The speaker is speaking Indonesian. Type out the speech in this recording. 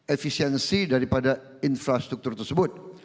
efisiensi daripada infrastruktur tersebut